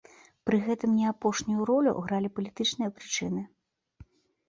Пры гэтым не апошнюю ролю гралі палітычныя прычыны.